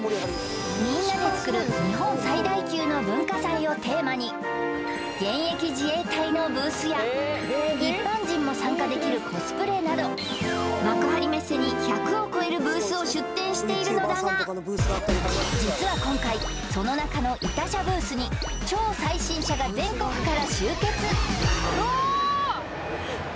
「みんなで作る日本最大級の文化祭」をテーマに現役自衛隊のブースや一般人も参加できるコスプレなど幕張メッセに１００を超えるブースを出展しているのだが実は今回その中の痛車ブースに超最新車が全国から集結！